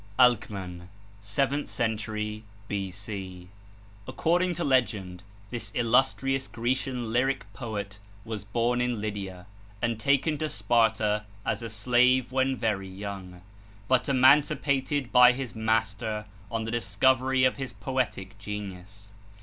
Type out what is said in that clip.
ALCMAN (Seventh Century B.C.) According to legend, this illustrious Grecian lyric poet was born in Lydia, and taken to Sparta as a slave when very young, but emancipated by his master on the discovery of his poetic genius.